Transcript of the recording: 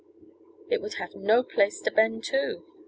It would have no place to bend to."